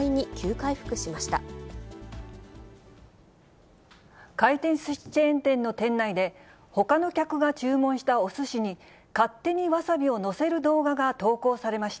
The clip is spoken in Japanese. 回転すしチェーン店の店内で、ほかの客が注文したおすしに、勝手にわさびを載せる動画が投稿されました。